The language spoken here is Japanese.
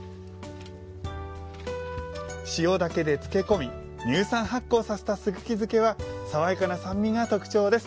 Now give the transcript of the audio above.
塩だけで漬け込み乳酸発酵させた、すぐき漬けは爽やかな酸味が特徴です。